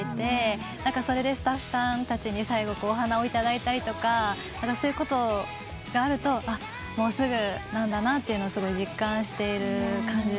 それでスタッフさんたちに最後お花を頂いたりとかそういうことがあるともうすぐなんだなとすごい実感している感じですね。